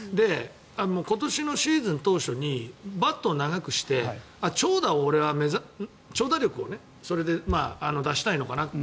今年のシーズン当初にバットを長くして長打力を出したいのかなと。